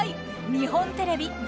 日本テレビ「ザ！